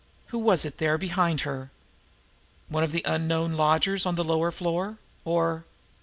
Who was it there behind her? One of the unknown lodgers on the lower floor, or